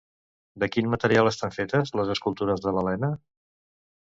De quin material estan fetes les escultures de l'Elena?